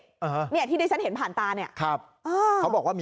อัทะเฮียนสุราชภูเก็ต